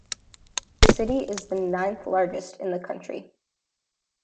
The city is the ninth largest in the country.